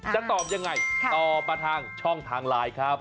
จะตอบยังไงตอบมาทางช่องทางไลน์ครับ